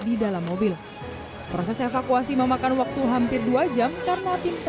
di dalam rumah sakit